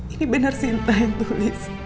ini benar sinta yang tulis